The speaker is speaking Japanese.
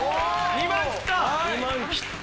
２万切った！